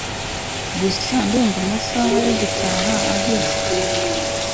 gusa ndumva amasaha yo gutaha ageze